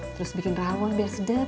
terus bikin rawon biar sedap